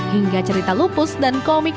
hingga cerita lupus dan komik